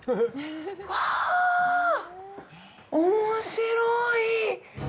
うわぁ、おもしろい！